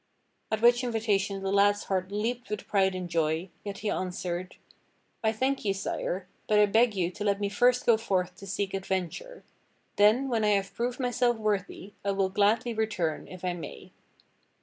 At which invitation the lad's heart leaped with pride and joy, yet he answered : "I thank you. Sire, but I beg you to let me first go forth to seek adventure; then, when I have proved myself worthy, I will gladly return, if I may."